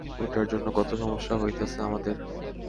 ওইটার জন্য কত সমস্যা, হইতাছে আমাদের।